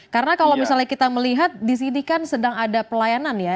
karena kalau misalnya kita melihat disini kan sedang ada pelayanan ya